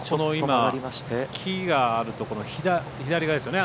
木があるところの左側ですよね